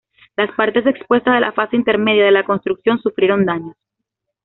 Las partes expuestas de la fase intermedia de la construcción sufrieron daños.